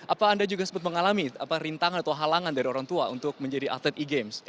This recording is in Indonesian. apa anda juga sempat mengalami rintangan atau halangan dari orang tua untuk menjadi atlet ea games